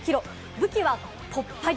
武器は突破力。